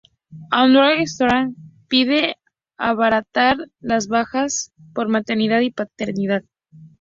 Andrew Scheer pide abaratar las bajas por maternidad y paternidad.